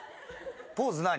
ポーズ何？